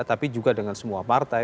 tapi juga dengan semua partai